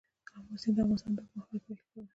آمو سیند د افغانستان د اوږدمهاله پایښت لپاره مهم دی.